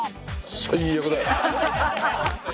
最悪だよ。